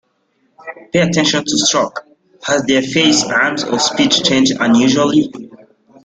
Pay attention to stroke... has their Face, Arms or Speech changed unusually?